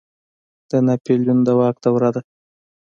د ناپلیون د واک دوره ده.